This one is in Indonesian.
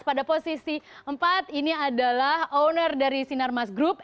pada posisi empat ini adalah owner dari sinarmas group